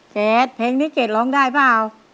เกรดเพลงนี้เกรดร้องได้เปล่า